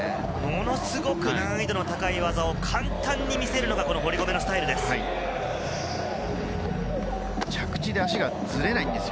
ものすごく難易度の高い技を簡単に見せるのが堀米のスタイルです。